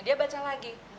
dia baca lagi